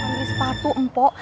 beli sepatu pok